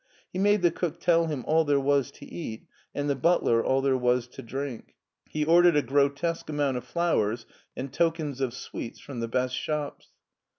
He made the cook tell him all there was to eat, and the butler all there was to drink. He ordered a grotesque amount of flowers and tokens of sweets from the best shops.